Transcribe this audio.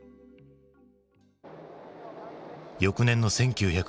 翌年の１９７２年。